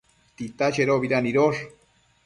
Tita chedobida nidosh?